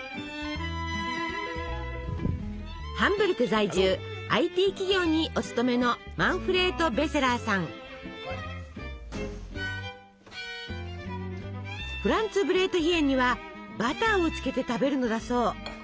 ハンブルク在住ＩＴ企業にお勤めのフランツブレートヒェンにはバターをつけて食べるのだそう。